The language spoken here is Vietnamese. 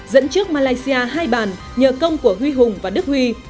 dẫn trước malaysia hai bàn nhờ công của huy hùng và đức huy